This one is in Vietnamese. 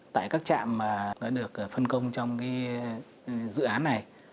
tại các trạm đã được phân công trong dự án này